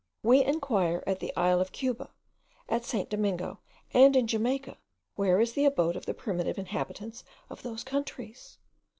We inquire at the isle of Cuba, at St. Domingo, and in Jamaica, where is the abode of the primitive inhabitants of those countries?